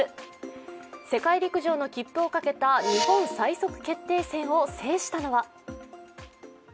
世界陸上の切符をかけた日本最速決定戦を制したのは。